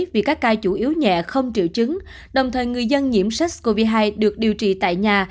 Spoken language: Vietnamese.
vì các ca chủ yếu nhẹ không triệu chứng đồng thời người dân nhiễm sars cov hai được điều trị tại nhà